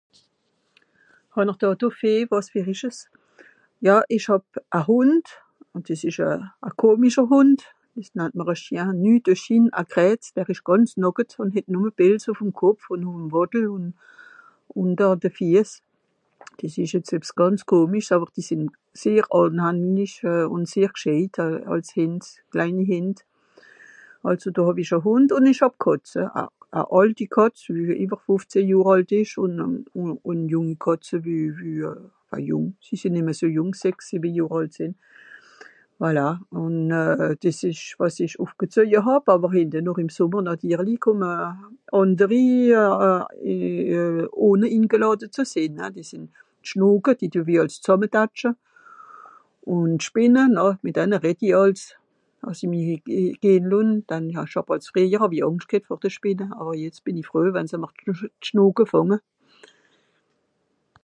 Hàn'r dàto Vieh, wàs fer ìsch es ? Ja, ìch hàb a Hùnd. Ùn dìs ìsch e.... e komischer Hùnd. Dìs nannt mr e chien nu de chine à crête. Der ìsch gànz nàcket ùn het nùmme Pels ùff'm Kopf ùn àm Wàddel ùn ...ùn ùnter de Fies. Dìs ìsch jetz gànz komisch àwer sie sìnn sehr (...) euh... ùn sehr gschéit euh... àls Hìnd, kleini Hìnd. Àlso do hàw-ich a Hùnd ùn ìsch hàb Kàtze aa. A àlti Kàtz wü ìwer fùfzeh Johr àlt ìsch ùn e... ùn e jùngi Kàtz wü... wü... euh... bah Jùng... sie sìnn nìmmeh so jùng sechs sìwe Johr àlt gsìnn. Voilà, ùn euh... dìs ìsch wàs ìch ùffgezöje hàb àwer ìn denoch ìm Sùmmer kùmme ànderi euh... ohne ingelàde ze sìnn hein die Sìnn d'Schnocke, die düew-i àls zàmmetatsche. Ùn d'Spinne. Mìt denne redd-i àls, àss mi gehn lonn, dann i ha... ìch hàb àls... frìehjer hàw-i Àngscht ghet vor de Spìnne, àwer jetz bìn ìch froe wenn se mr d... d'Schnocke fànge.